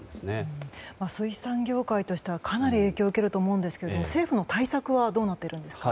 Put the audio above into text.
水産業界としてはかなり影響を受けると思うんですが政府の対策はどうなっているんですか？